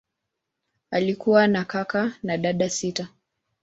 Alikuwa na kaka na dada sita.